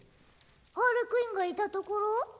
ハーレクインがいた所？